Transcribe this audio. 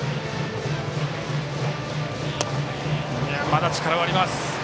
まだ力はあります。